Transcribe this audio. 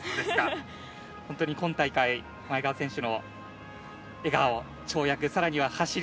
本当に今大会、前川選手の笑顔、跳躍、さらに走り。